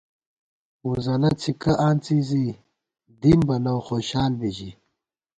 ووزَلہ څھِکہ آنڅی زی دِم بہ لؤ خوشال بی ژِی